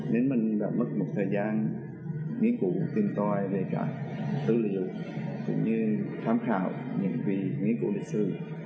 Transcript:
nên mình đã mất một thời gian nghiên cứu tìm tòi về cả tư liệu cũng như thám khảo những vị nghiên cứu lịch sử